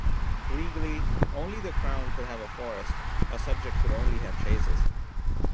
Legally, only the crown could have a forest, a subject could only have chases.